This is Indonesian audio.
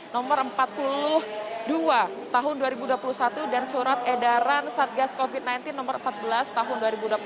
nomor empat puluh dua tahun dua ribu dua puluh satu dan surat edaran satgas covid sembilan belas nomor empat belas tahun dua ribu dua puluh satu